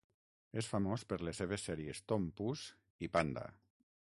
És famós per les seves sèries "Tom Puss" i "Panda".